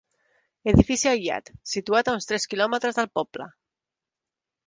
Edifici aïllat situat a uns tres quilòmetres del poble.